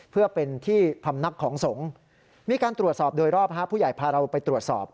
เพื่อเป็นที่พำนักของสงฆ์มีการตรวจสอบโดยรอบผู้ใหญ่พาเราไปตรวจสอบ